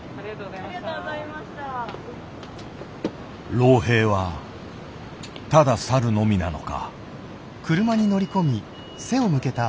老兵はただ去るのみなのか。